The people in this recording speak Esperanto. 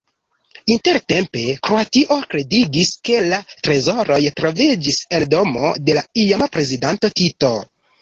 Intertempe Kroatio kredigis, ke la trezoroj troviĝis en domo de la iama prezidanto Tito.